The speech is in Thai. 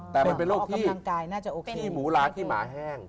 แต่มันเป็นโรคที่หมูร้านที่หมาแห้ง